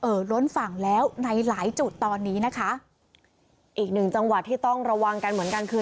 ล้นฝั่งแล้วในหลายจุดตอนนี้นะคะอีกหนึ่งจังหวัดที่ต้องระวังกันเหมือนกันคือ